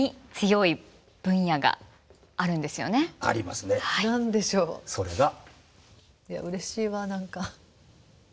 いやうれしいわ何か。